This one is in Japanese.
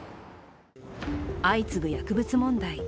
相次ぐ薬物問題。